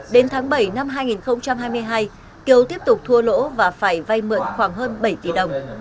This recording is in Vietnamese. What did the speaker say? đến tháng bảy năm hai nghìn hai mươi hai kiều tiếp tục thua lỗ và phải vay mượn khoảng hơn bảy tỷ đồng